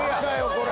これ。